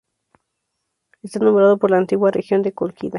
Está nombrado por la antigua región de Cólquida.